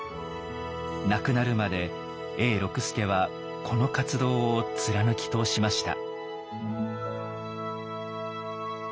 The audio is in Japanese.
亡くなるまで永六輔はこの活動を貫き通しました。